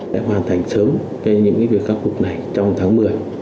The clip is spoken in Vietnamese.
để hoàn thành sớm những việc khắc phục này trong tháng một mươi